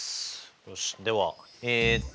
よしではえっと